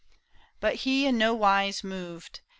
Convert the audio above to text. " But he, in nowise moved.